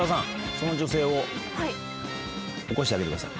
その女性を起こしてあげてください。